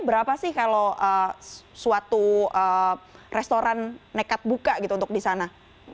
berapa sih kalau suatu restoran nekat buka gitu untuk di sana